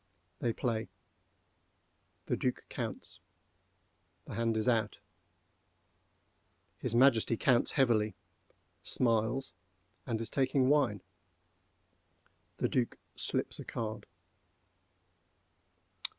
They play. The Duc counts. The hand is out. His Majesty counts heavily, smiles, and is taking wine. The Duc slips a card.